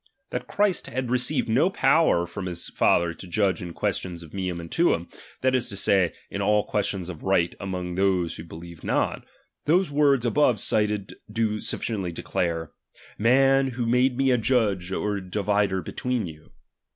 That Christ had received no power from his Father to judge in questions of meum and fiiuta, that is to say, in all questions of right among those who believed not, those words above cited do sufficiently declare : Mm, who made me a Judge RELIGION. 259 r divider between you